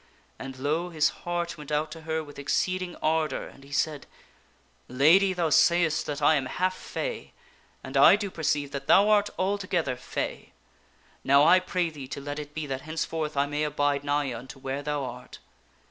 And, lo! his heart went out to her with ex of the Lake. cee ding ardor, and he said, "Lady, thou sayest that I am half fay, and I do perceive that thou art altogether fay. Now, I pray thee to let it be that henceforth I may abide nigh unto where thou art.